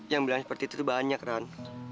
yang bilang seperti itu tuh banyak ran